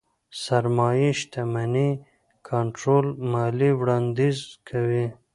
سرمايې شتمنۍ کنټرول ماليې وړانديز کوي.